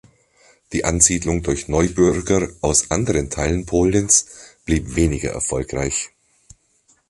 Die Ansiedlung durch Neubürger aus anderen Teilen Polens blieb weniger erfolgreich.